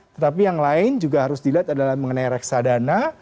tetapi yang lain juga harus dilihat adalah mengenai reksadana